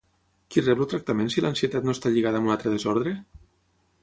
Qui rep el tractament si l'ansietat no està lligada amb un altre desordre?